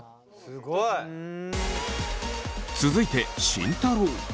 すごい！続いて慎太郎。